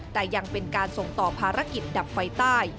แต่ยังเป็นการส่งต่อภารกิจดับไฟใต้